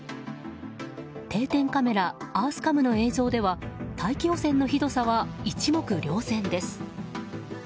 定点カメラＥａｒｔｈＣａｍの映像では大気汚染のひどさは一目瞭然です。